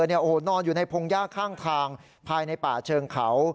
นอนอยู่ในพงย่าข้างทางภายในป่าเชิงเกา